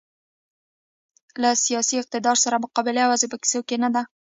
له سیاسي اقتدار سره مقابله یوازې په کیسو کې نه وه.